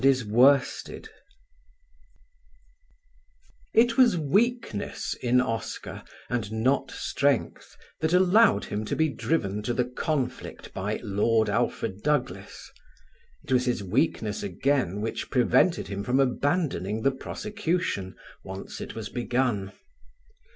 CHAPTER XIII It was weakness in Oscar and not strength that allowed him to be driven to the conflict by Lord Alfred Douglas; it was his weakness again which prevented him from abandoning the prosecution, once it was begun.